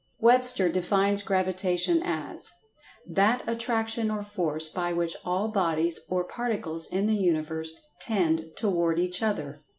Webster defines Gravitation as: "That attraction or force by which all bodies or particles in the universe tend toward each other."